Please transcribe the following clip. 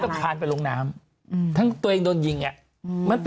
ก็คานไปลงน้ำถั้งตัวเองโดนยิงอ่ะ